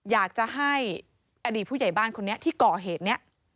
อยากจะให้อดีตผู้ใหญ่บ้านคนนี้ที่ก่อเหตุนี้